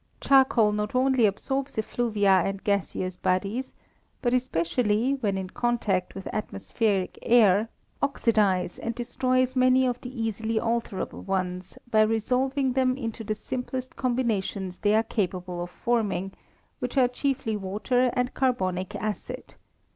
Charcoal not only absorbs effluvia and gaseous bodies, but especially, when in contact with atmospheric air, oxidize, and destroys many of the easily alterable ones, by resolving them into the simplest combinations they are capable of forming, which are chiefly water and carbonic acid.